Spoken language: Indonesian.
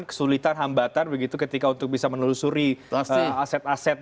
kesulitan hambatan begitu ketika untuk bisa menelusuri aset aset